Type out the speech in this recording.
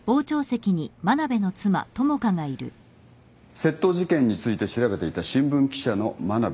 窃盗事件について調べていた新聞記者の真鍋伸さん。